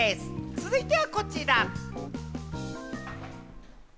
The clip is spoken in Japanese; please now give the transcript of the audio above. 続いてはこちら！